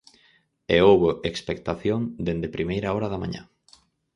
E houbo expectación dende primeira hora da mañá.